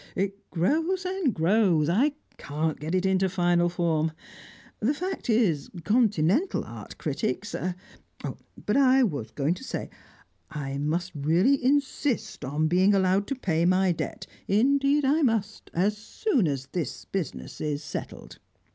It grows and grows; I can't get it into final form. The fact is Continental art critics But I was going to say that I must really insist on being allowed to pay my debt indeed I must soon as this business is settled."